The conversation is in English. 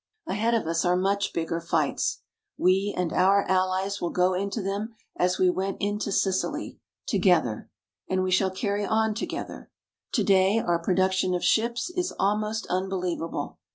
Ahead of us are much bigger fights. We and our Allies will go into them as we went into Sicily together. And we shall carry on together. Today our production of ships is almost unbelievable.